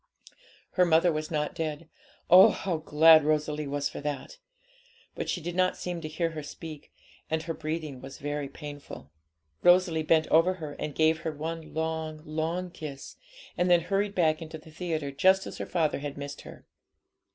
Her mother was not dead; oh, how glad Rosalie was for that! but she did not seem to hear her speak, and her breathing was very painful. Rosalie bent over her and cave her one long, long kiss, and then hurried back into the theatre just as her father had missed her.